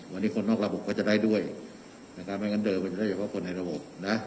วันนี้คนนอกระบบก็จะได้ด้วยนะครับไม่งั้นเดินมันจะได้เฉพาะคนในระบบนะ